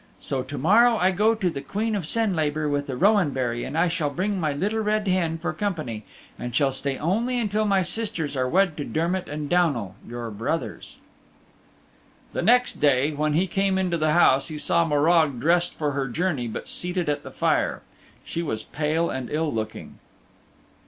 So to morrow I go to the Queen of Senlabor with the Rowan Berry and I shall bring my Little Red Hen for company, and shall stay only until my sisters are wed to Dermott and Downal, your brothers." The next day when he came into the house he saw Morag dressed for her journey but seated at the fire. She was pale and ill looking.